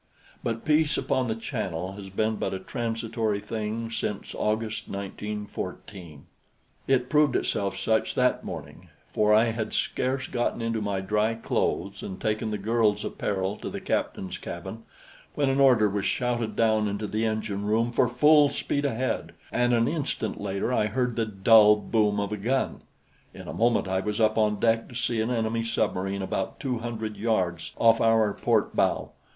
But peace upon the Channel has been but a transitory thing since August, 1914. It proved itself such that morning, for I had scarce gotten into my dry clothes and taken the girl's apparel to the captain's cabin when an order was shouted down into the engine room for full speed ahead, and an instant later I heard the dull boom of a gun. In a moment I was up on deck to see an enemy submarine about two hundred yards off our port bow.